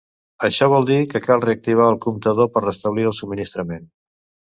Això vol dir que cal reactivar el comptador per restablir el subministrament.